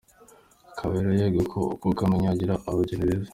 Kabera : Yego koko ku Kamonyi hagira abageni beza .